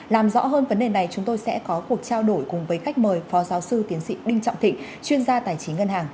làm rõ hơn vấn đề này chúng tôi sẽ có cuộc trao đổi cùng với khách mời phó giáo sư tiến sĩ đinh trọng thịnh chuyên gia tài chính ngân hàng